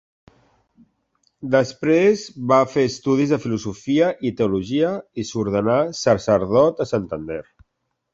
Després va fer estudis de filosofia i teologia i s'ordenà sacerdot a Santander.